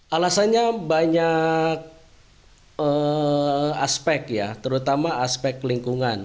alasannya banyak aspek ya terutama aspek lingkungan